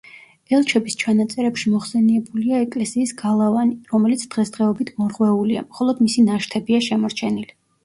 ელჩების ჩანაწერებში მოხსენიებულია ეკლესიის გალავანი, რომელიც დღესდღეობით მორღვეულია, მხოლოდ მისი ნაშთებია შემორჩენილი.